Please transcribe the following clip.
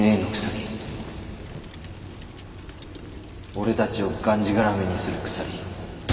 俺たちをがんじがらめにする鎖。